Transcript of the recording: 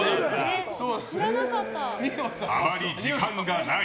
あまり時間がない。